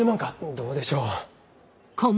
どうでしょう。